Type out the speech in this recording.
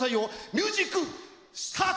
ミュージックスタート！